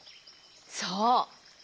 そう。